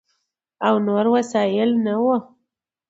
او نور وسایل نه ؤ،